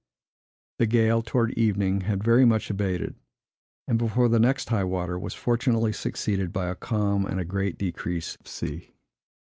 The gale, towards evening, had very much abated, and, before the next high water, was fortunately succeeded by a calm and a great decrease of sea.